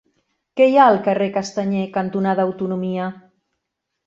Què hi ha al carrer Castanyer cantonada Autonomia?